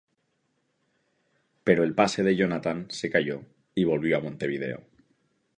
Pero el pase de Jonathan se cayó y volvió a Montevideo.